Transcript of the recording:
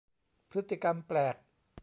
พฤติกรรมแปลก